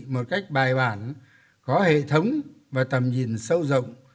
một cách bài bản có hệ thống và tầm nhìn sâu rộng